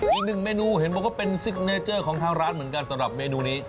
อีกหนึ่งเมนูเห็นบอกว่าเป็นซิกเนเจอร์ของทางร้านเหมือนกันสำหรับเมนูนี้